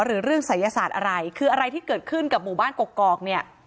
หรือเรื่องศัยศาสตร์อะไรคืออะไรที่เกิดขึ้นกับหมู่บ้านกกอกเนี่ย